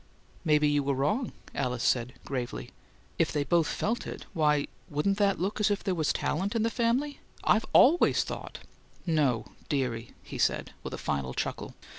"Maybe you were wrong," Alice said, gravely. "If they both felt it, why wouldn't that look as if there was talent in the family? I've ALWAYS thought " "No, dearie," he said, with a final chuckle.